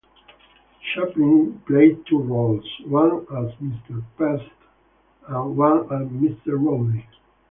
Chaplin played two roles: one as Mr. Pest and one as Mr. Rowdy.